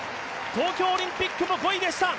東京オリンピックも５位でした。